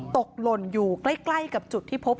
หล่นอยู่ใกล้กับจุดที่พบ